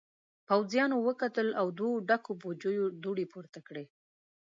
پوځيانو وکتل او دوو ډکو بوجيو دوړې پورته کړې.